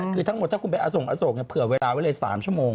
คือทั้งหมดถ้าคุณไปอโศกอโศกเผื่อเวลาไว้เลย๓ชั่วโมง